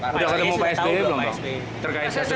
sudah ketemu pak sp